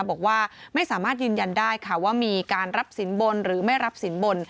บอกว่าไม่สามารถยืนยันได้ค่ะว่ามีการรับสินบนหรือไม่รับสินบน